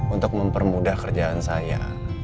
untuk mempermudah kerjaan saya